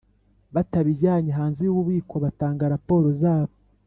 Batabijyanye hanze y ububiko batanga raporo zabo